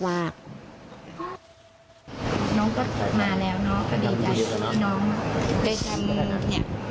น้องก็มาแล้วเนอะก็ดีใจพี่น้องได้จำเนี่ย